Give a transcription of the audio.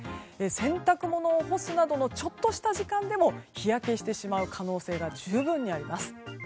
洗濯物を干すなどのちょっとした時間でも日焼けしてしまう可能性が十分にあります。